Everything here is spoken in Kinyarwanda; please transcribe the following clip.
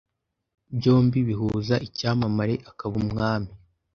byombi bihuza icyamamare akaba Umwami